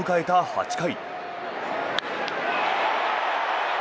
８回。